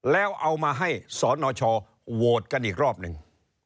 แล้วเอามาให้สนชโหวตกันอีกรอบหนึ่ง